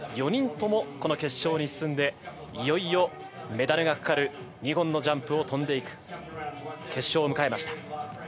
４人とも決勝に進んでいよいよメダルがかかる２本のジャンプを飛んでいく決勝を迎えました。